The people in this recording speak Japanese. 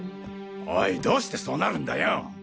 おいどうしてそうなるんだよ。